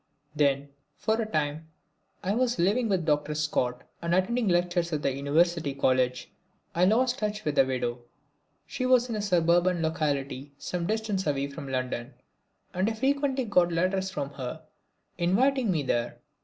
Then, for a time, while I was living with Dr. Scott and attending lectures at the University College, I lost touch with the widow. She was in a suburban locality some distance away from London, and I frequently got letters from her inviting me there.